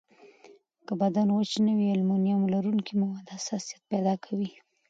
که بدن وچ نه وي، المونیم لرونکي مواد حساسیت پیدا کوي.